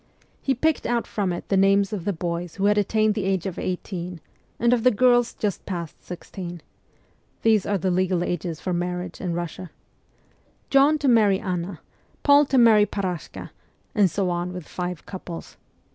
He picked out from it the names of the boys who had attained the age of eighteen, and of the girls just past sixteen these are the legal ages for marriage in Eussia. Then he wrote, ' John to marry Anna, Paul to marry Parashka,' and so on with five couples.